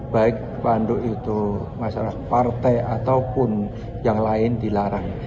baik pandu itu masalah partai ataupun yang lain dilarang